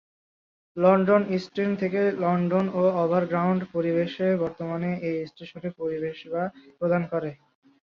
London Euston থেকে London Overground পরিষেবা বর্তমানে এই স্টেশনে পরিষেবা প্রদান করে।